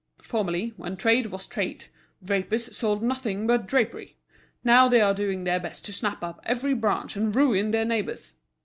Formerly, when trade was trade, drapers sold nothing but drapery. Now they are doing their best to snap up every branch and ruin their neighbours.